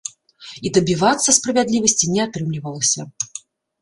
І дабівацца справядлівасці не атрымлівалася.